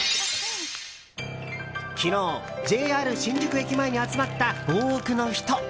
昨日ＪＲ新宿駅前に集まった多くの人。